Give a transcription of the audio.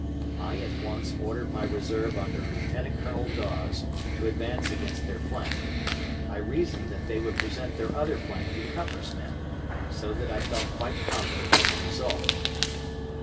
I at once ordered my reserve under Lieutenant Colonel Dawes to advance against their flank. If they faced Dawes, I reasoned that they would present their other flank to Cutler's men, so that I felt quite confident of the result.